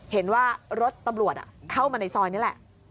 เห็นว่ารถตำรวจเข้ามาในซอยนี่แหละ